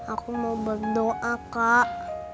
aku mau berdoa kak